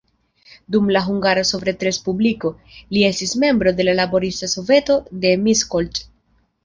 Dum la Hungara Sovetrespubliko, li estis membro de la laborista soveto de Miskolc.